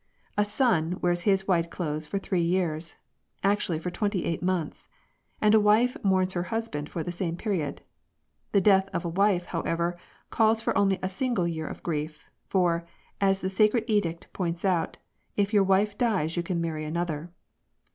A son wears his white clothes for three years— actually for twenty eight months ; and a wife mourns her husband for the same period. The death of a wife, however, calls for only a single year of grief ; for, as the Sacred Edict points out, if your wife dies you can marry another.